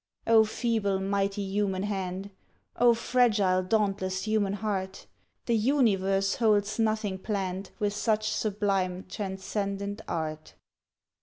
O feeble, mighty human hand! O fragile, dauntless human heart! The universe holds nothing planned With such sublime, transcendent art!